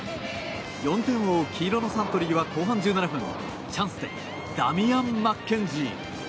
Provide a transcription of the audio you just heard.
４点を追う黄色のサントリーは後半１７分チャンスでダミアン・マッケンジー。